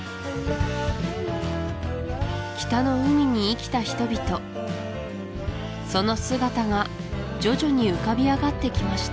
北の海に生きた人々その姿が徐々に浮かび上がってきました